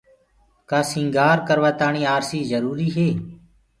ڪآ سيٚگآر ڪروآ تآڻيٚ آرسيٚ جروُريٚ هي